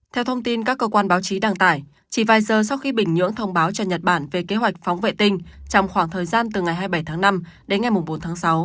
theo thông tin các cơ quan báo chí đăng tải chỉ vài giờ sau khi bình nhưỡng thông báo cho nhật bản về kế hoạch phóng vệ tinh trong khoảng thời gian từ ngày hai mươi bảy tháng năm đến ngày bốn tháng sáu